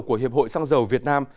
của hiệp hội xăng dầu việt nam